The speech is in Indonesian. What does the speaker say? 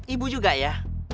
ibu juga ya